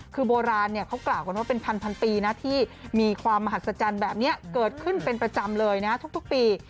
คือโบราณเขากล่าวกันว่าเป็นพันปีนะที่มีความมหัศจรรย์แบบนี้เกิดขึ้นเป็นประจำเลยนะทุกปี